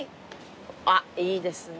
あっいいですね。